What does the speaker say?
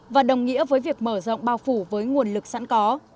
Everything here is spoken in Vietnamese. và đồng nghĩa với việc mở rộng bao phủ với nguồn lực sẵn có